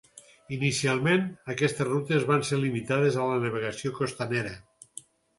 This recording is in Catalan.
Inicialment aquestes rutes van ser limitades a la navegació costanera.